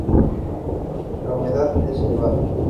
La humedad es elevada.